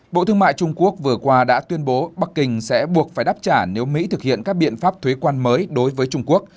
bộ thương mại trung quốc vừa qua đã tuyên bố bắc kinh sẽ buộc phải đáp trả nếu mỹ thực hiện các biện pháp thuế quan mới đối với trung quốc